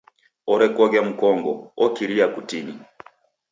Orekoghe mkongo okiria kutini.